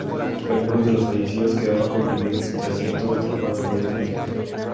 Algunos de los fallecidos quedaron comprimidos entre asientos o atrapados por ellos mismos.